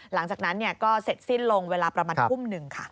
หลังจากนั้นก็เสร็จสิ้นลงเวลาประมาณทุ่มหนึ่งค่ะ